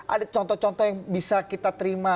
ada contoh contoh yang bisa kita terima